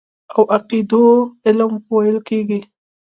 او عقيدو علم ويل کېږي.